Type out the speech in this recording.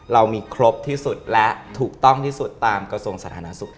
เรามีครบที่สุดและถูกต้องที่สุดตามกระทรวงสาธารณสุข